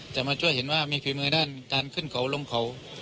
มาช่วยเห็นว่ามีฝีมือด้านการขึ้นเขาลงเขา